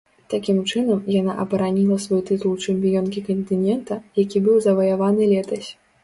Такім чынам яна абараніла свой тытул чэмпіёнкі кантынента, які быў заваяваны летась.